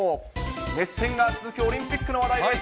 熱戦が続くオリンピックの話題です。